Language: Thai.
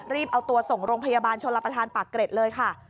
เอาตัวส่งโรงพยาบาลชนรับประทานปากเกร็ดเลยค่ะ